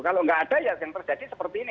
kalau nggak ada ya yang terjadi seperti ini